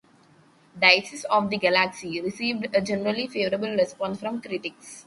"Daisies of the Galaxy" received a generally favorable response from critics.